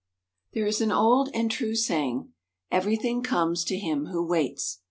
There is an old and true saying "Everything comes to him who waits."